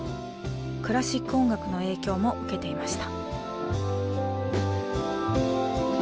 クラシック音楽の影響も受けていました。